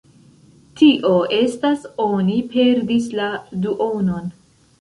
Tio estas oni perdis la duonon.